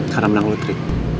karena menang lotre